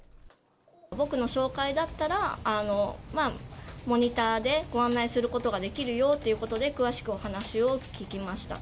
僕の紹介だったら、モニターでご案内することができるよということで、詳しくお話を聞きました。